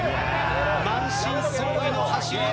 満身創痍の走り。